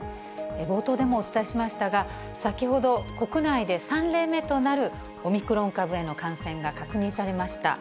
冒頭でもお伝えしましたが、先ほど国内で３例目となる、オミクロン株への感染が確認されました。